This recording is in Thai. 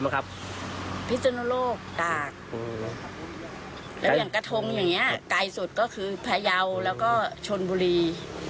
ใกล้สุดก็คือพระเยาแล้วก็ชนบุรี